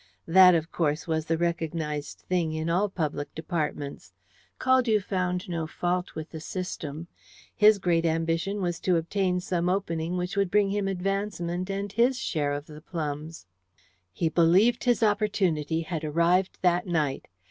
That, of course, was the recognized thing in all public departments. Caldew found no fault with the system. His great ambition was to obtain some opening which would bring him advancement and his share of the plums. He believed his opportunity had arrived that night.